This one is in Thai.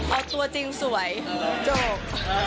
เอาตัวจริงสวยจบ